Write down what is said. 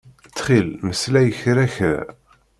Ttxil mmeslay kra kra.